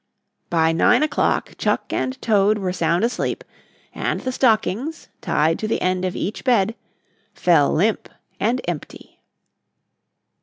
By nine o'clock Chuck and Toad were sound asleep, and the stockings, tied to the end of each bed, fell limp and empty.